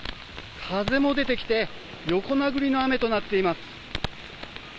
風も出てきて横殴りの雨となっています。